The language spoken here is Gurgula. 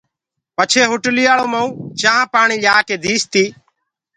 پڇي هوٽلَيآݪو مئونٚ چآنٚه پآڻِيٚ ليآڪي ديٚستيٚ